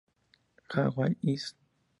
Hawaiian Isl.